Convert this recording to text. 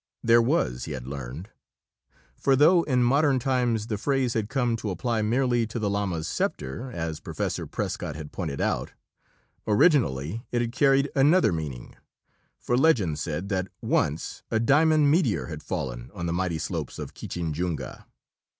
There was, he had learned. For though in modern times the phrase had come to apply merely to the Lama's scepter, as Professor Prescott had pointed out, originally it had carried another meaning for legend said that once a diamond meteor had fallen on the mighty slopes of Kinchinjunga.